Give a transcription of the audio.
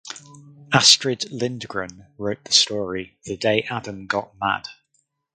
Astrid Lindgren wrote the story "The Day Adam Got Mad".